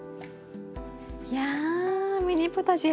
いやミニポタジェ。